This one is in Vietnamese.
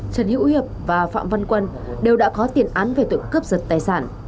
trần hữu hiệp và phạm văn quân đều đã có tiền án về tội cướp giật tài sản